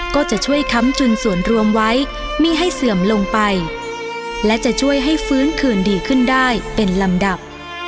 ก็จะช่วยค้ำจุนส่วนรวมไว้มีให้เสื่อมลงไปและจะช่วยให้ฟื้นคืนดีขึ้นได้เป็นลำดับ